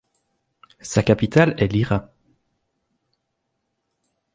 Sa capitale est Lira.